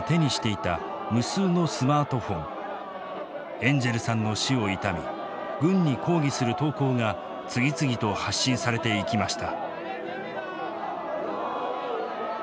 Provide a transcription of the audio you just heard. エンジェルさんの死を悼み軍に抗議する投稿が次々と発信されていきました。